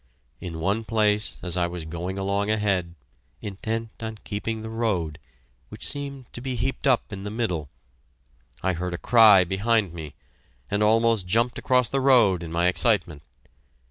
In one place, as I was going along ahead, intent on keeping the road, which seemed to be heaped up in the middle, I heard a cry behind me, and almost jumped across the road in my excitement.